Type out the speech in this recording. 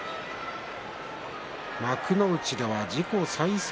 幕内では自己最速